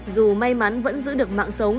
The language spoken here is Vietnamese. dù may mắn vẫn giữ được mạng sống